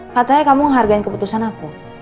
katanya kamu menghargai keputusan aku